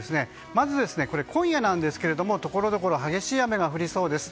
まず今夜ですがところどころで激しい雨が降りそうです。